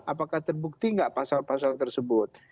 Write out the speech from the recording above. apakah terbukti nggak pasal pasal tersebut